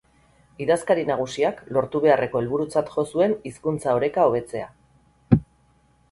Idazkari nagusiak lortu beharreko helburutzat jo zuen hizkuntza-oreka hobetzea.